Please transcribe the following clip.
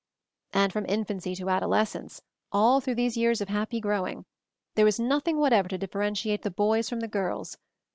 And from infancy to adolescence — all through these years of happy growing — there was nothing whatever to differentiate the boys from the girls!